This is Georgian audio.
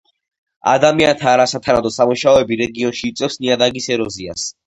ადამიანთა არასათანადო სამუშაოები რეგიონში იწვევს ნიადაგის ეროზიას.